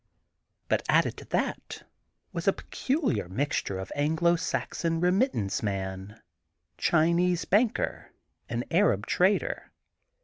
But added to that was a peculiar mixture of Anglo Saxon remittance man, Chinese banker and Arab trader.